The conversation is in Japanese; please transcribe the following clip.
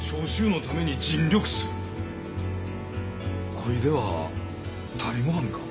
これでは足りもはんか？